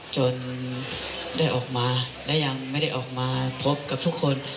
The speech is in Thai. จนได้ออกมาและยังไม่ได้ออกมาพบกับทุกคน